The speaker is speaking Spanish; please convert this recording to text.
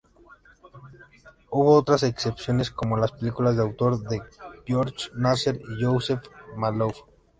Hubo otras excepciones como las películas de autor de George Nasser y Youssef Maalouf.